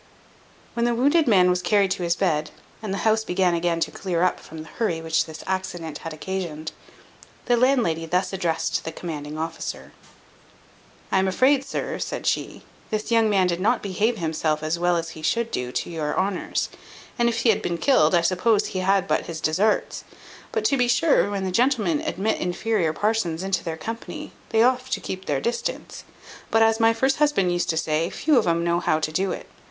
When the wounded man was carried to his bed, and the house began again to clear up from the hurry which this accident had occasioned, the landlady thus addressed the commanding officer: "I am afraid, sir," said she, "this young man did not behave himself as well as he should do to your honours; and if he had been killed, I suppose he had but his desarts: to be sure, when gentlemen admit inferior parsons into their company, they oft to keep their distance; but, as my first husband used to say, few of 'em know how to do it.